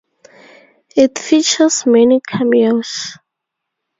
It features many cameos.